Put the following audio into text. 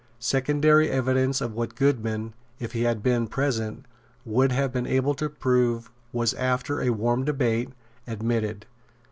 Secondary evidence of what Goodman, if he had been present, would have been able to prove, was, after a warm debate, admitted.